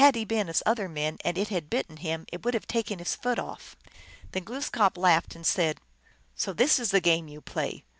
he been as other men and it had bitten him, it would have taken his foot off. Then Glooskap laughed, and said, " So this is the game you play.